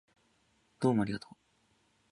どうもありがとう